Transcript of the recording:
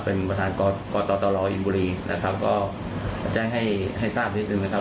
เป็นประธานกตรอินบุรีนะครับก็แจ้งให้ให้ทราบนิดนึงนะครับ